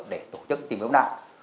để tổ chức tìm kiếm nạn